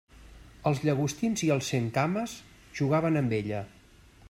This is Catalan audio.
Els llagostins i els centcames jugaven amb ella.